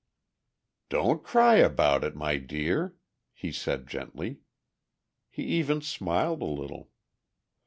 "Don't cry about it, my dear," he said gently. He even smiled a little.